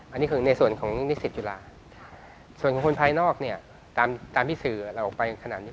อันนี้คือในส่วนของนิสิตจุฬาส่วนของคนภายนอกเนี่ยตามที่สื่อเราออกไปขนาดนี้